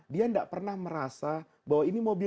dia tidak pernah merasa bahwa ini mobil